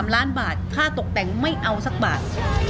๓ล้านบาทค่าตกแต่งไม่เอาสักบาท